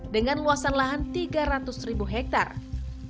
dengan luasan lahan tiga ratus ribu hektare